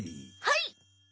はい。